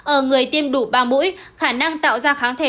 ở người tiêm đủ ba mũi khả năng tạo ra kháng thể